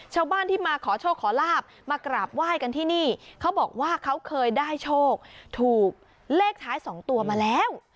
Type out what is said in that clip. ชาวบ้านที่มาขอโชคขอลาบมากราบไหว้กันที่นี่เขาบอกว่าเขาเคยได้โชคถูกเลขท้ายสองตัวมาแล้ว